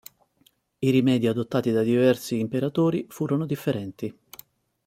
I rimedi adottati dai diversi imperatori furono differenti.